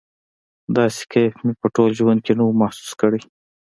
داسې کيف مې په ټول ژوند کښې نه و محسوس کړى.